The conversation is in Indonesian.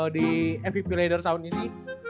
di evip leader tahun ini